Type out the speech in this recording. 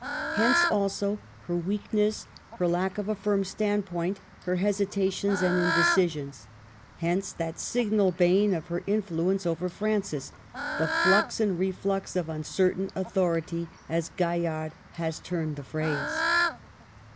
Hence, also, her weakness, her lack of a firm standpoint, her hesitations and indecisions. Hence that signal bane of her influence over Francis, '' the flux and reflux of uncertain authority," as Gaillard has turned the phrase.